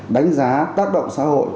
đánh giá tác động xã hội